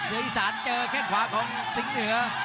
เสืออิสานเจอแข่งขวาของสิงเหนือ